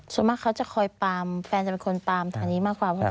ส่วนมากเขาจะคอยปามแฟนจะเป็นคนตามทางนี้มากกว่า